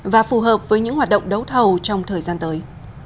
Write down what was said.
và phù hợp với những hoạt động đấu thầu trong thời gian tới